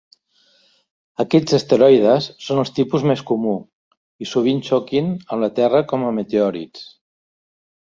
Aquests asteroides són el tipus més comú, i sovint xoquin amb la terra com a meteorits.